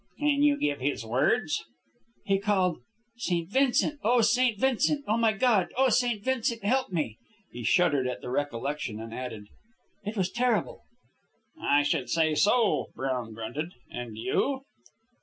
"Can you give his words?" "He called, 'St. Vincent! Oh, St. Vincent! Oh, my God! Oh, St. Vincent, help me!'" He shuddered at the recollection, and added, "It was terrible." "I should say so," Brown grunted. "And you?"